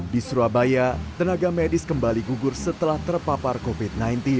di surabaya tenaga medis kembali gugur setelah terpapar covid sembilan belas